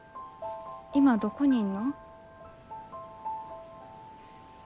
今どこにいんの？